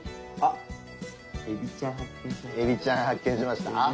あっ海老ちゃん発見しました。